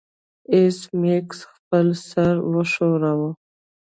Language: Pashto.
ایس میکس خپل سر وښوراوه